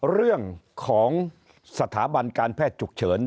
เรื่องของสถาบันการแพทย์ฉุกเฉิน